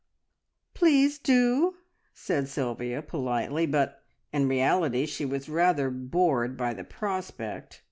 "Please do!" said Sylvia politely, but in reality she was rather bored by the prospect.